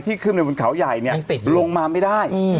ที่ขึ้นในวันเขาใหญ่ลงมาไม่ได้